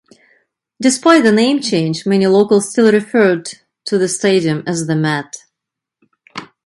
Despite the name change, many locals still referred to the stadium as "The Met".